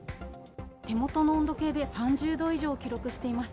手元の温度計で３０度以上を記録しています。